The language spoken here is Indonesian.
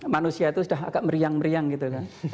manusia itu sudah agak meriang meriang gitu kan